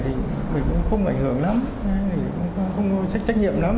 thì mình cũng không ảnh hưởng lắm không trách nhiệm lắm